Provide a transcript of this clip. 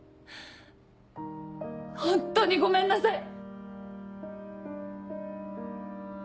ホントにごめんなさい。